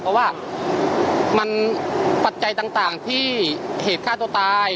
เพราะว่ามันปัจจัยต่างที่เหตุฆ่าตัวตาย